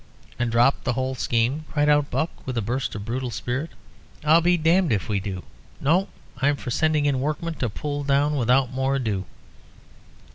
"And drop the whole scheme!" cried out Buck, with a burst of brutal spirit. "I'll be damned if we do. No. I'm for sending in workmen to pull down without more ado."